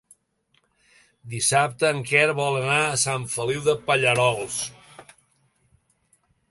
Dissabte en Quer vol anar a Sant Feliu de Pallerols.